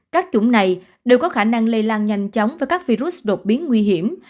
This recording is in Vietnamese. các chủng này đều có khả năng lây lan nhanh chóng với các virus đột biến nguy hiểm